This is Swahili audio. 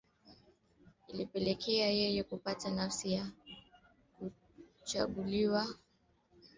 Ilipelekea yeye kupata nafasi ya kuchaguliwa kuwania tuzo kubwa za kimataifa